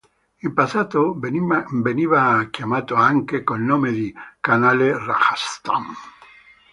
In passato veniva chiamato anche col nome di canale Rajasthan.